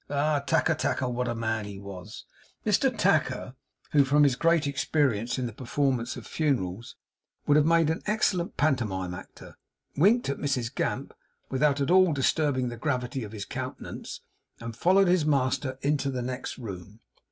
Ah, Tacker, Tacker, what a man he was!' Mr Tacker, who from his great experience in the performance of funerals, would have made an excellent pantomime actor, winked at Mrs Gamp without at all disturbing the gravity of his countenance, and followed his master into the next room.